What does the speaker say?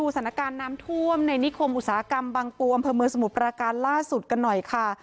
สถานการณ์น้ำท่วมในนิคมอุตสาหกรรมบางปูอำเภอเมืองสมุทรปราการล่าสุดกันหน่อยค่ะ